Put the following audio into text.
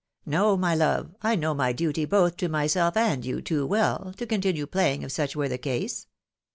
" No, my love ! I know my duty both to myself and you too well, to continue playing if such were the case.